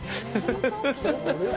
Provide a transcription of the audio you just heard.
ハハハハハ。